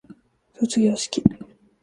卒業式